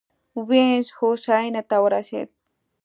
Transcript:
وینز هوساینې ته ورسېد.